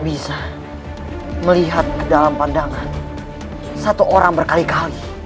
beri ucapkan wikipedia